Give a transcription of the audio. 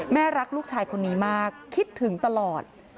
รักลูกชายคนนี้มากคิดถึงตลอด